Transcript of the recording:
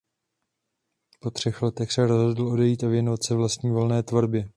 Po třech letech se rozhodl odejít a věnovat se vlastní volné tvorbě.